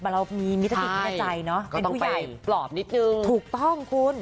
เรามีมิตรจิตใจเนอะเป็นผู้ใหญ่ปลอบนิดนึงถูกต้องคุณ